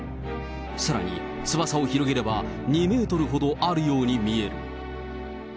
さらに、翼を広げれば２メートルほどあるように見える。